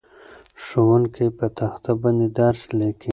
ښوونکی په تخته باندې درس لیکي.